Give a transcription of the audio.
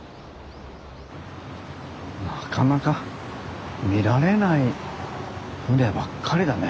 なかなか見られない船ばっかりだね。